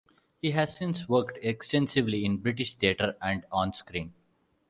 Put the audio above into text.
He has since worked extensively in British theatre and on screen.